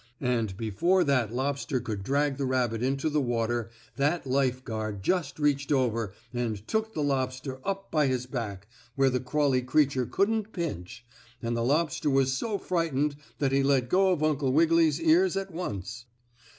And before that lobster could drag the rabbit into the water that life guard just reached over and took the lobster up by his back, where the crawly creature couldn't pinch, and the lobster was so frightened that he let go of Uncle Wiggily's ears at once.